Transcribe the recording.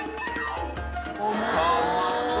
うまそう！